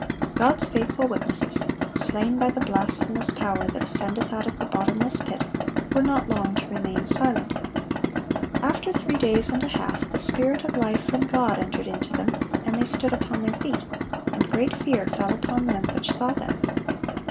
(421) God's faithful witnesses, slain by the blasphemous power that "ascendeth out of the bottomless pit," were not long to remain silent. "After three days and a half the Spirit of life from God entered into them, and they stood upon their feet; and great fear fell upon them which saw them."